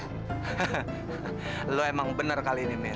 hehehe lu emang bener kali ini mir